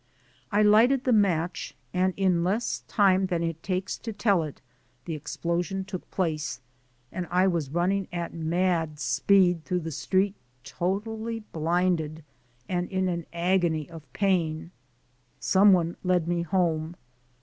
I lighted the match and in less time than it takes to tell it, the explosion took place and I was running at mad speed through the street totally blinded and in an agony of pain. Some one led me home.